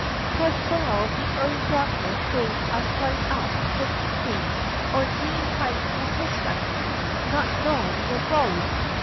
"'Twas well the early darkness made us light up so quickly, or ye might have missed us, not knowin' yer road.